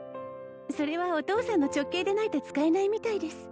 それはお父さんの直系でないと使えないみたいです